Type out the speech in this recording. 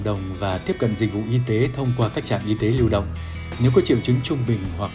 đồng và tiếp cận dịch vụ y tế thông qua các trạm y tế lưu đồng nếu có triệu chứng trung bình hoặc